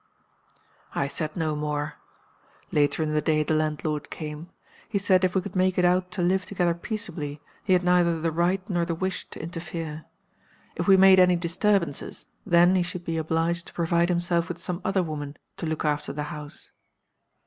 "I said no more. Later in the day the landlord came. He said if we could make it out to live together peaceably he had neither the right nor the wish to interfere. If we made any disturbances, then he should be obliged to provide himself with some other woman to look after the house.